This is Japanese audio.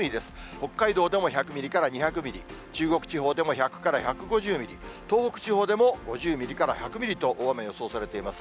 北海道でも１００ミリから２００ミリ、中国地方でも１００から１５０ミリ、東北地方でも５０ミリから１００ミリと大雨予想されています。